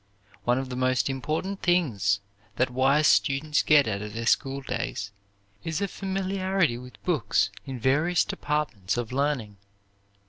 One of the most important things that wise students get out of their schooldays is a familiarity with books in various departments of learning.